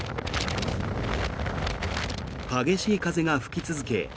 激しい風が吹き続け